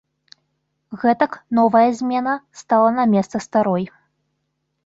Гэтак новая змена стала на месца старой.